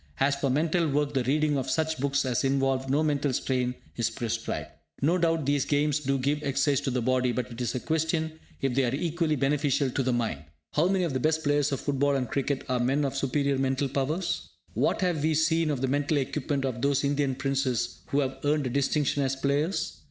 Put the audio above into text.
As for mental work the reading of such books as involve no mental strain is prescribed. No doubt these games do give exercise to the body, but it is a question if they are equally beneficial to the mind. How many of the best players of football and cricket are men of superior mental powers? What have we seen of the mental equipment of those Indian Princes who have earned a distinction as players?